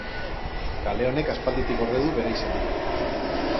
Kale honek aspalditik gorde du bere izena.